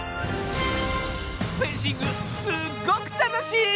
フェンシングすっごくたのしい！